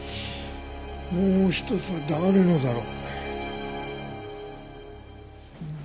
もう一つは誰のだろう？